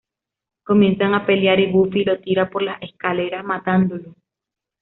Comienzan a pelear y Buffy lo tira por las escaleras, matándolo.